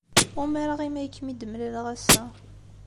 Umareɣ imi ay kem-id-mlaleɣ ass-a.